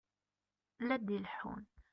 La d-ileḥḥun.